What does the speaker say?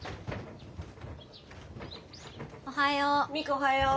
おはよう。